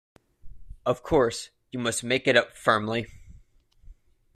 Of course, you must make it up firmly.